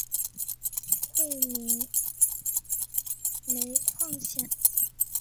会宁煤矿线